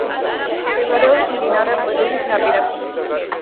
მდებარეობს მდინარე ყვირილის ნაპირებზე, საჩხერის ქვაბულის ჩრდილო-დასავლეთ ნაწილში.